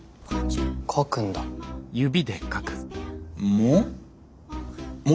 書くんだ。も？